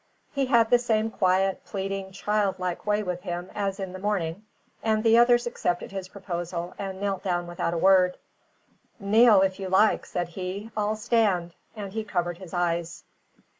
He had the same quiet, pleading, childlike way with him as in the morning; and the others accepted his proposal, and knelt down without a word. "Knale if ye like!" said he. "I'll stand." And he covered his eyes.